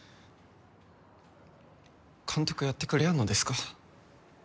監督やってくれやんのですか？